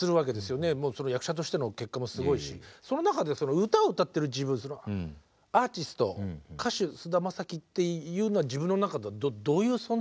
もうその役者としての結果もすごいしその中でその歌を歌ってる自分アーティスト歌手菅田将暉っていうのは自分の中ではどういう存在ですか？